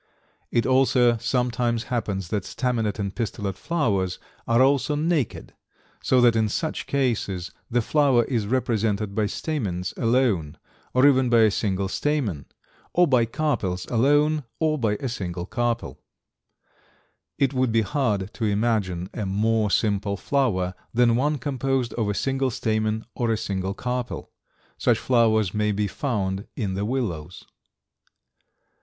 It also sometimes happens that staminate and pistillate flowers are also naked, so that in such cases the flower is represented by stamens alone, or even by a single stamen, or by carpels alone, or by a single carpel. It would be hard to imagine a more simple flower than one composed of a single stamen or a single carpel. Such flowers may be found in the willows.